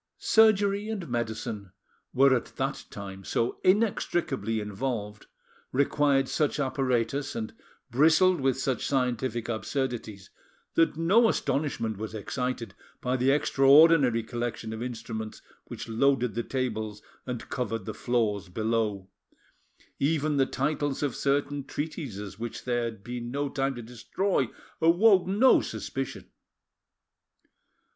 Surgery and medicine were at that time so inextricably involved, required such apparatus, and bristled with such scientific absurdities, that no astonishment was excited by the extraordinary collection of instruments which loaded the tables and covered the floors below: even the titles of certain treatises which there had been no time to destroy, awoke no suspicion.